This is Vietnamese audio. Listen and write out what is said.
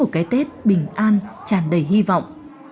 vẽ tết bình an tràn đầy hy vọng